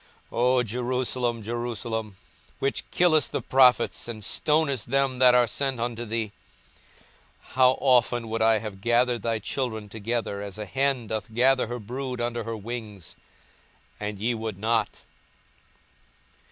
42:013:034 O Jerusalem, Jerusalem, which killest the prophets, and stonest them that are sent unto thee; how often would I have gathered thy children together, as a hen doth gather her brood under her wings, and ye would not!